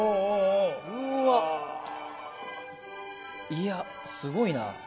いやすごいな！